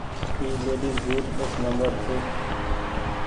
اي ليڊيز بوٽ ڏس نمبر ڇي۔